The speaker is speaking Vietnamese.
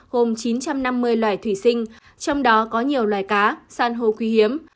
gồm chín trăm năm mươi loài thủy sinh trong đó có nhiều loài cá san hô quý hiếm